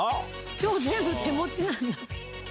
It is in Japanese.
今日全部手持ちなんだ。